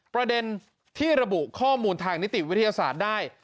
ประเด็นที่ระบุข้อมูลทางนิติวิทยาศาสตร์ได้